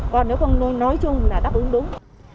còn nếu không nói chung là đáp ứng đúng